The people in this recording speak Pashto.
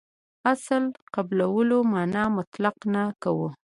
اصل قبلولو معنا مطالعه نه کوو.